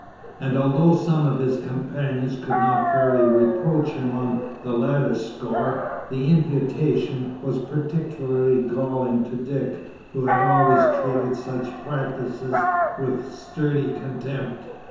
And although some of his companions could not fairly reproach him on the latter score, the imputation was particularly galling to Dick, who had always treated such practices with sturdy contempt.